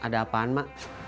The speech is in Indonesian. ada apaan mak